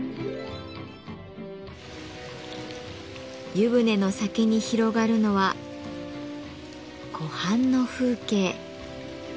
湯船の先に広がるのは湖畔の風景。